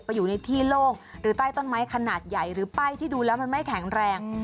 อยู่ในที่โล่งหรือใต้ต้นไม้ขนาดใหญ่หรือป้ายที่ดูแล้วมันไม่แข็งแรง